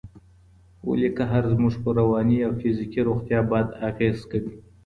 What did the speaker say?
ولي قهر زموږ پر رواني او فزیکي روغتیا بد اغېز کوي؟